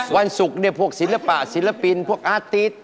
วันศุกร์เนี่ยพวกศิลปะศิลปินพวกอาร์ติ